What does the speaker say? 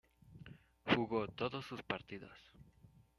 Jugó todos los partidos.